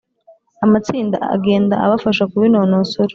Amatsinda agenda abafasha kubinonosora